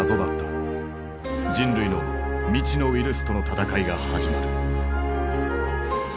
人類の未知のウイルスとの闘いが始まる。